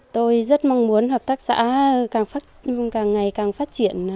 tôi rất mong muốn hợp tác xã càng ngày càng phát triển